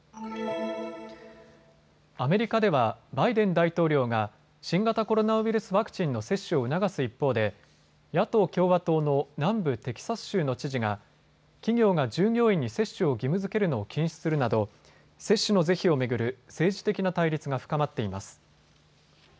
アメリカではバイデン大統領が新型コロナウイルスワクチンの接種を促す一方で野党共和党の南部テキサス州の知事が企業が従業員に接種を義務づけるのを禁止するなど接種の是非を巡る政治的な対立が深まっています。